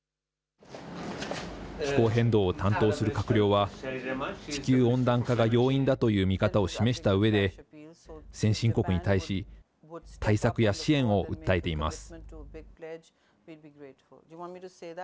気候変動を担当する閣僚は、地球温暖化が要因だという見方を示したうえで、先進国に対し、対策や支援を訴えています。